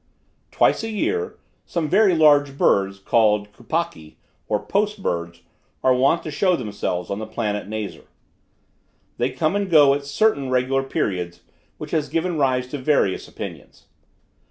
Twice a year, some very large birds, called Kupakki or post birds, are wont to show themselves on the planet Nazar. They come and go at certain regular periods, which has given rise to various opinions.